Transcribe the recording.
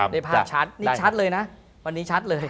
ได้ภาพชัดนี่ชัดเลยนะวันนี้ชัดเลย